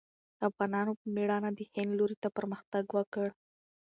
افغانانو په مېړانه د هند لوري ته پرمختګ وکړ.